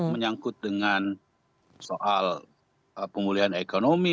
menyangkut dengan soal pemulihan ekonomi